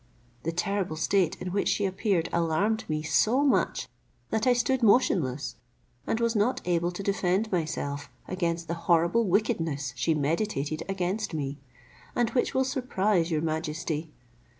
The terrible state in which she appeared alarmed me so much, that I stood motionless, and was not able to defend myself against the horrible wickedness she meditated against me, and which will surprise your majesty.